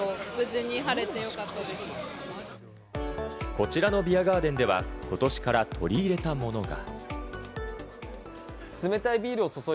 こちらのビアガーデンでは今年から取り入れたものが。